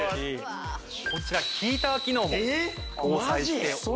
こちらヒーター機能も搭載しております。